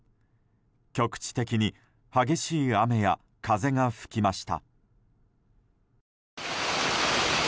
局地的に激しい雨や風が吹きました。